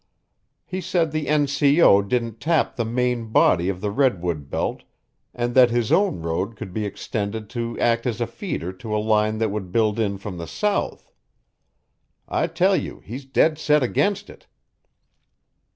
He said the N. C. O. didn't tap the main body of the redwood belt and that his own road could be extended to act as a feeder to a line that would build in from the south. I tell you he's dead set against it."